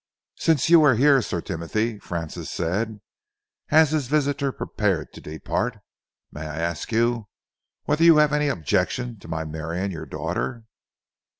"Since you are here, Sir Timothy," Francis said, as his visitor prepared to depart, "may I ask whether you have any objection to my marrying your daughter?"